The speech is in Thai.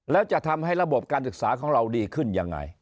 แล้วจะทำให้ระบบการศึกษาของเราดีขึ้นยังไง